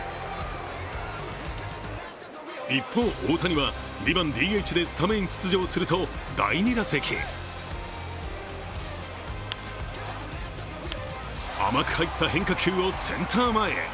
一方、大谷は２番ＤＨでスタメン出場すると第２打席甘く入った変化球をセンター前へ。